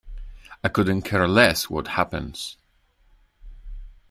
I couldn't care less what happens.